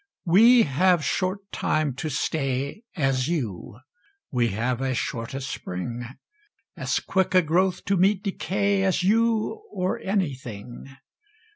We have short time to stay, as you, We have as short a spring; As quick a growth to meet decay, As you, or anything.